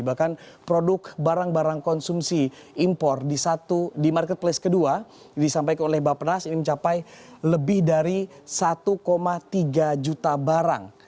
bahkan produk barang barang konsumsi impor di marketplace kedua disampaikan oleh bapak penas ini mencapai lebih dari satu tiga juta barang